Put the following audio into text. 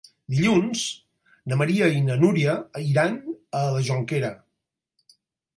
Dilluns na Maria i na Núria iran a la Jonquera.